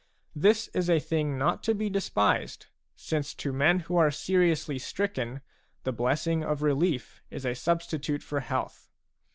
This is a thing not to be despised, since to men who are seriously stricken the blessing of relief is a substitute for health.